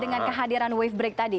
dengan kehadiran web brick tadi